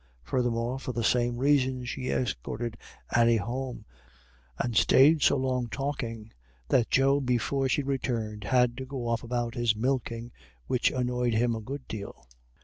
Furthermore, for the same reason, she escorted Annie home, and stayed so long talking, that Joe before she returned had to go off about his milking, which annoyed him a good deal.